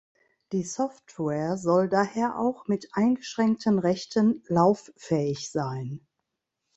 Die Software soll daher auch mit eingeschränkten Rechten lauffähig sein.